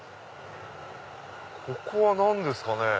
ここは何ですかね？